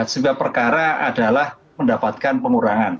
sebab perkara adalah mendapatkan pengurangan